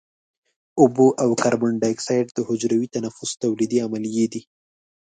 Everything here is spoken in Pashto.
اوبه او کاربن دای اکساید د حجروي تنفس تولیدي عملیې دي.